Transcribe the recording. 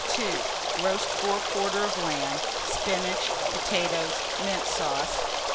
Roast fore quarter of lamb, spinach, potatoes, mint sauce.